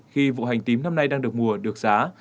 khi vụ hành tím năm nay đang được mùa được giá